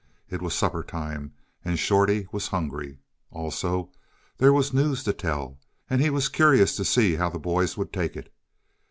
It was supper time, and Shorty was hungry. Also, there was news to tell, and he was curious to see how the boys would take it.